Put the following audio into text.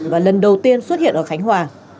và lần đầu tiên xuất hiện ở khánh hòa